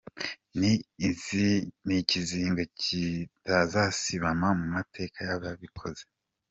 Ni ikizinga kitazasibama mu mateka y’ababikoze.